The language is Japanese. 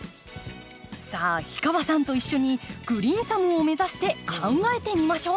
さあ氷川さんと一緒にグリーンサムを目指して考えてみましょう。